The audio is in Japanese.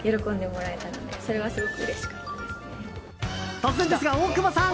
突然ですが、大久保さん。